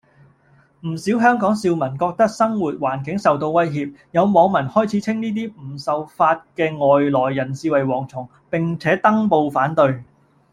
唔少香港少民覺得生活環境受到威脅，有網民開始稱呢啲唔受法嘅外來人士為蝗蟲，並且登報反對